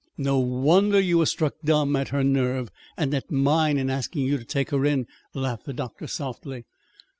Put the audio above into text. "No wonder you were struck dumb at her nerve and at mine in asking you to take her in," laughed the doctor softly.